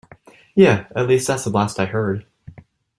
Yeah, at least that's the last I heard.